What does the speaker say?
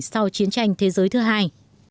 sau chiến tranh thế giới thứ hai